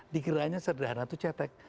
dikiranya sederhana itu cetek